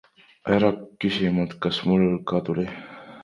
Ära küsi mult, kas mul ka tuli.